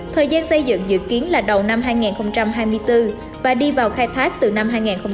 thời gian xây dựng dự kiến là đầu năm hai nghìn hai mươi bốn và đi vào khai thác từ năm hai nghìn hai mươi năm